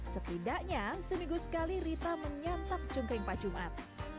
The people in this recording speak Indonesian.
setidaknya seminggu sekali rita menyantap cungkring pak jumat